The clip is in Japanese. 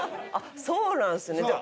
あっそうなんですね。